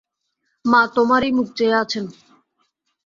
মা তোমারই মুখ চেয়ে আছেন।